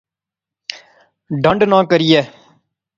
ڈنڈ نہ کریئے